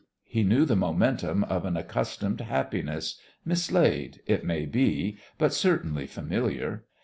He knew the momentum of an accustomed happiness, mislaid, it may be, but certainly familiar.